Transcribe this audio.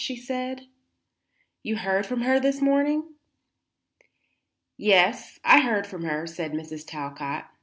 she said. "You heard from her this morning?" "Yes; I heard from her," said Mrs. Talcott.